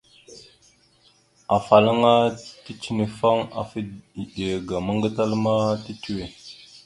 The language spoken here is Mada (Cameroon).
Afalaŋa ticənefaŋ afa eɗe ga ammaŋ gatala ma titəwe.